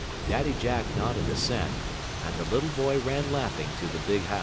Daddy Jack nodded assent, and the little boy ran laughing to the "big house."